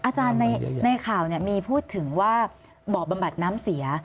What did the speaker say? อาจารย์ในข่าวมีพูดถึงว่าบ่อบำบัดน้ำเสีย